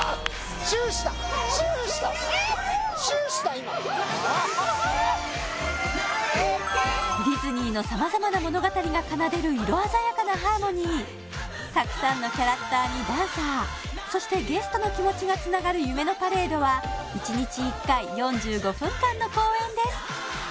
チューしたチューしたチューした今ディズニーの様々な物語が奏でる色鮮やかなハーモニーたくさんのキャラクターにダンサーそしてゲストの気持ちがつながる夢のパレードは１日１回４５分間の公演です